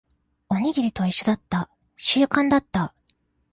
おにぎりと一緒だった。習慣だった。